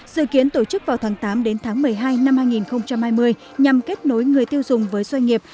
dự kiến tổ chức vào tháng tám đến tháng một mươi hai năm hai nghìn hai mươi nhằm kết nối người tiêu dùng với doanh nghiệp